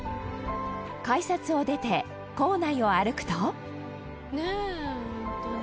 改札を出て、構内を歩くと本仮屋：ねえ、本当に。